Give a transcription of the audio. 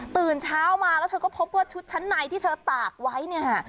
ตื่นเช้ามาแล้วเธอก็พบว่าชุดชั้นในที่เธอตากไว้เนี่ยค่ะ